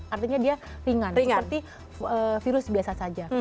artinya dia ringan seperti virus biasa saja